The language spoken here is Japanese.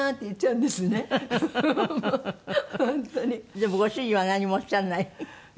でもご主人は何もおっしゃらない？